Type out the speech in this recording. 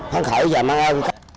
thắng khởi và mong ơn